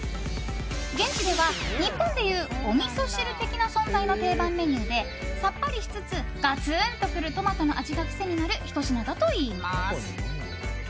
現地では、日本でいうおみそ汁的な存在の定番メニューでさっぱりしつつガツンとくるトマトの味が癖になるひと品だといいます。